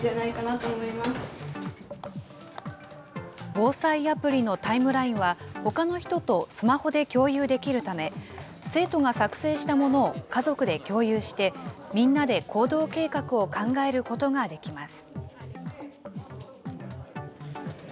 防災アプリのタイムラインは、ほかの人とスマホで共有できるため、生徒が作成したものを家族で共有して、みんなで行動計画を考えることができます。